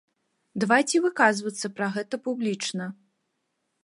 Давайце выказвацца пра гэта публічна!